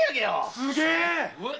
すげえ！